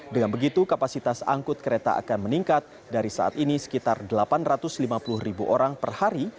dengan begitu kapasitas angkut kereta akan meningkat dari saat ini sekitar delapan ratus lima puluh ribu orang per hari